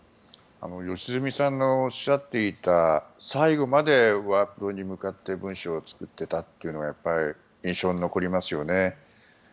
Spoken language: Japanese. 良純さんのおっしゃっていた最後までワープロに向かって文章を作っていたというのはやっぱり印象に残りますよね。